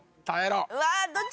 うわどっち？